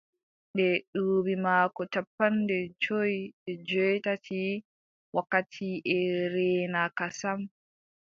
Nde duuɓi maako cappanɗe jowi e joweetati, wakkati e reenaaka sam,